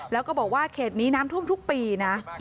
แล้วก็บอกว่าเขตนี้น้ำท่วมทุกปีนะ